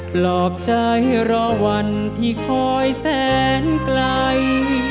ปลอบใจรอวันที่คอยแสนไกล